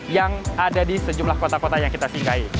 yang ada di sejumlah kota kota yang kita singgahi